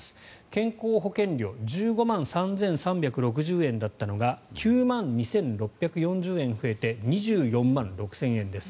健康保険料１５万３３６０円だったのが９万２６４０円増えて２４万６０００円です。